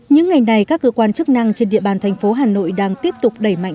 những ngày này các cơ quan chức năng trên địa bàn thành phố hà nội đang tiếp tục đẩy mạnh